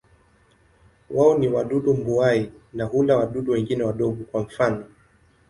Wao ni wadudu mbuai na hula wadudu wengine wadogo, kwa mfano.